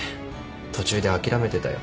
途中で諦めてたよ。